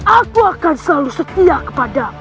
aku akan selalu setia kepadamu